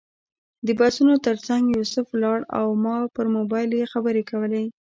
د بسونو تر څنګ یوسف ولاړ و او پر موبایل یې خبرې کولې.